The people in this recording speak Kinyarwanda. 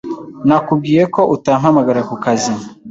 Nakubwiye ko utampamagara ku kazi.